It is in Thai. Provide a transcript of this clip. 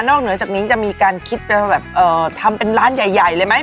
เหนือจากนี้จะมีการคิดไปแบบทำเป็นร้านใหญ่เลยไหม